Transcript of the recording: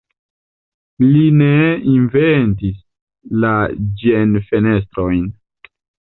Li ne inventis la ĝen-fenestrojn.